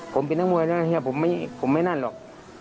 ผมเป็นนักมวยนะเฮียผมไม่นั่นหรอก